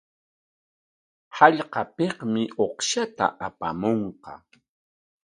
Hallqapikmi uqshata apamunqa.